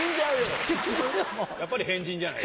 やっぱり変人じゃない。